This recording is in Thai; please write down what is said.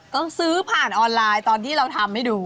ก็ซื้อผ่านออนไลน์ตอนที่เราทำให้ดู